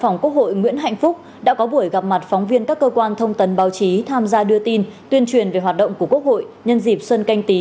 nguyễn hạnh phúc đã có buổi gặp mặt phóng viên các cơ quan thông tấn báo chí tham gia đưa tin tuyên truyền về hoạt động của quốc hội nhân dịp xuân canh tí hai nghìn hai mươi